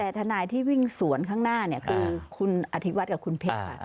แต่ทนายที่วิ่งสวนข้างหน้าคือคุณอธิวัฒน์กับคุณเพชรค่ะ